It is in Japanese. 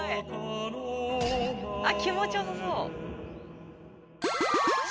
あっきもちよさそう！